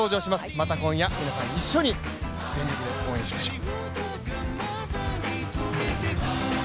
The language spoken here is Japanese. また今夜、皆さん一緒に全力で応援しましょう。